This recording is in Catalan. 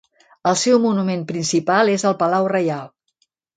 El seu monument principal és el palau reial.